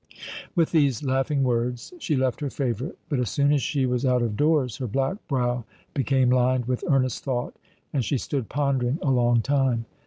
With these laughing words she left her favourite; but as soon as she was out of doors her black brow became lined with earnest thought, and she stood pondering a long time.